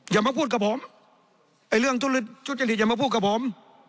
อย่ามาพูดกับผมไอ้เรื่องทุจริตอย่ามาพูดกับผม